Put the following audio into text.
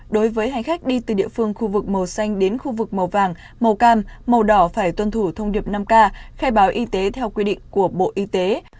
đối với hành khách đi từ địa phương khu vực màu xanh đến khu vực màu vàng màu cam màu đỏ phải tuân thủ thông điệp năm k khai báo y tế theo quy định của bộ y tế